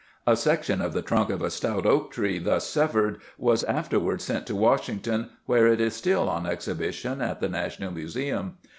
A section of the trunk of a stout oak tree thus severed was afterward sent to Washington, where it is still on exhibition at the National Museum.